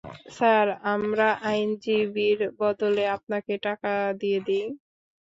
Sir, আমরা আইনজীবীর বদলে আপনাকে টাকা দিয়ে দিই।